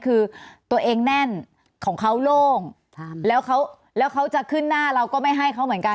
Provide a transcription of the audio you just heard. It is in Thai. คือตัวเองแน่นของเขาโล่งแล้วเขาแล้วเขาจะขึ้นหน้าเราก็ไม่ให้เขาเหมือนกัน